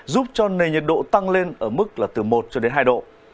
giúp cho nền nhiệt độ tăng lên ở mức từ một hai độ